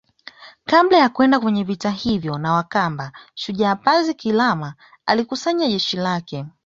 Kabla ya kwenda kwenye vita hivyo na wakamba Shujaa Pazi Kilama alikusanya jeshi lake